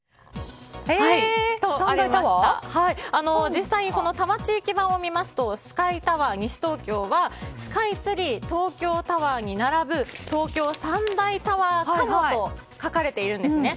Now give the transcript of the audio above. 実際に多摩地域版を見ますとスカイタワー西東京はスカイツリー東京タワーに並ぶ東京三大タワーかもと書かれているんですね。